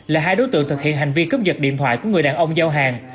là hai đối tượng thực hiện hành vi cướp giật điện thoại của người đàn ông giao hàng